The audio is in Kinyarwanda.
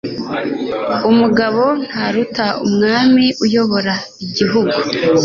Umugabo ntaruta Umwami uyoboye igihugu